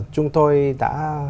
chúng tôi đã